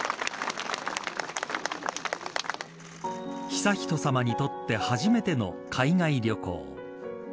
悠仁さまにとって初めての海外旅行。